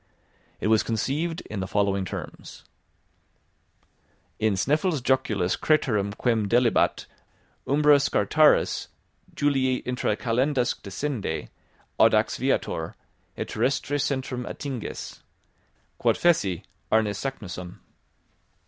It was conceived in the following terms: In Sneffels Joculis craterem quem delibat Umbra Scartaris Julii intra calendas descende, Audax viator, et terrestre centrum attinges. Quod feci, Arne Saknussemm.